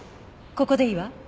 ここでいいわ。